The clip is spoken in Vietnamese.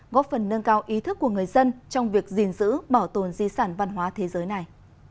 góp phần nâng cao ý thức của người dân trong việc gìn giữ bảo tồn di sản văn hóa thế giới này